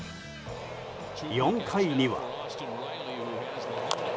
４回には。